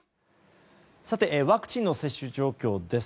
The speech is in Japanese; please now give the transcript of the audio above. ワクチンの接種状況です。